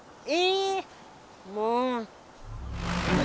もう！